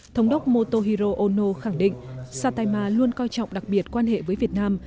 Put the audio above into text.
thống đốc motohiro ono khẳng định saitama luôn coi trọng đặc biệt quan hệ với việt nam